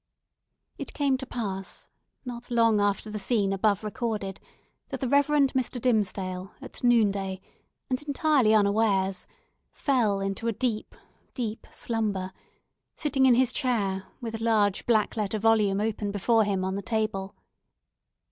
It came to pass, not long after the scene above recorded, that the Reverend Mr. Dimmesdale, at noonday, and entirely unawares, fell into a deep, deep slumber, sitting in his chair, with a large black letter volume open before him on the table.